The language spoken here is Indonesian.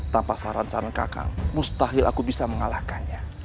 tanpa saran saran kakak mustahil aku bisa mengalahkannya